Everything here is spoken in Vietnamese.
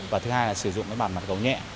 và thứ hai là sử dụng cái bản mặt gấu nhẹ